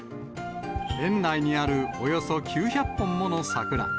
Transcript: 園内にあるおよそ９００本もの桜。